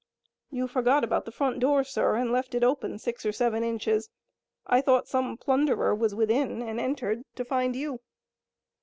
"You forgot about the front door, sir, and left it open six or seven inches. I thought some plunderer was within and entered, to find you."